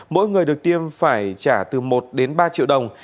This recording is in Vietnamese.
mỗi người được tiêm phải trả từ một đến ba triệu đồng